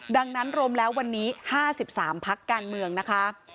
ดังนั้นรวมแล้ววันนี้๕๓พักการเมืองนะคะ